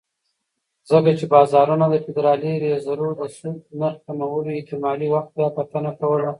ځکه چې بازارونه د فدرالي ریزرو د سود نرخ کمولو احتمالي وخت بیاکتنه کوله.